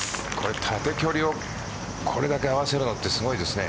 縦距離をこれだけ合わせるのってすごいですね。